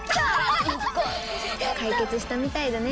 解決したみたいだね。